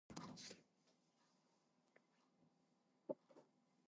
I am sure she will be pleased with the children.